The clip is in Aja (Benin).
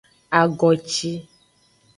Agoci.